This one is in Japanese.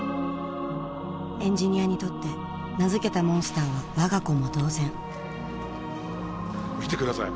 エンジニアにとって名付けたモンスターは我が子も同然見て下さい。